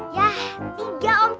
yah tiga om